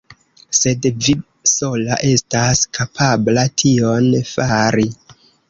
Sed vi sola estas kapabla tion fari.